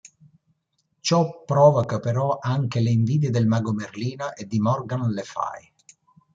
Ciò provoca però anche le invidie del mago Merlino e di Morgan le Fay.